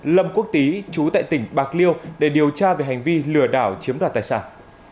lâm quốc tý chú tại tỉnh bạc liêu để điều tra về hành vi lừa đảo chiếm đoạt tài sản